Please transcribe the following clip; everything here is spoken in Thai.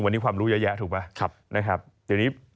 วันนี้ความรู้เป็นเยอะถูกไหม